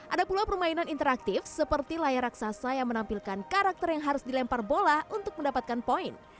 ada pula permainan interaktif seperti layar raksasa yang menampilkan karakter yang harus dilempar bola untuk mendapatkan poin